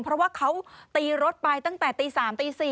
เพราะว่าเขาตีรถไปตั้งแต่ตี๓ตี๔